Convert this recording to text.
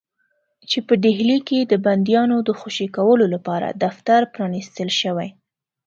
چې په ډهلي کې د بندیانو د خوشي کولو لپاره دفتر پرانیستل شوی.